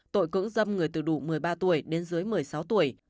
tội cưỡng dâm người từ đủ một mươi ba tuổi đến dưới một mươi sáu tuổi